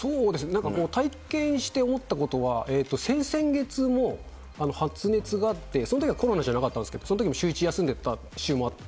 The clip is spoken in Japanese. なんかこう、体験して思ったことは、先々月も発熱があって、そのときはコロナじゃなかったんですけど、そのときもシューイチ休んでいた週もあって。